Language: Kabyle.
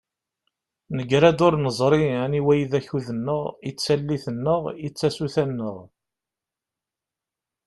Negra-d ur neẓri aniwa i d akud-nneɣ, i d tallit-nneɣ, i d tasuta-nneɣ.